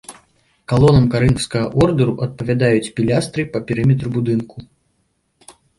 Калонам карынфскага ордэру адпавядаюць пілястры па перыметры будынку.